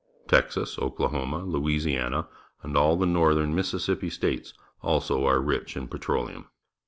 Texas, Okla homa, Louisiana, and all the Northern Mississippi States also are rich in petroleum.